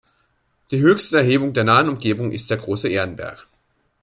Die höchste Erhebung der nahen Umgebung ist der Große Ehrenberg.